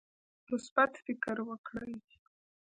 مثبت فکر وکړئ